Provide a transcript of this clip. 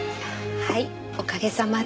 はいおかげさまで。